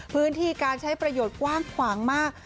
พื้นที่การใช้ประโยชน์กว้างขวางมาก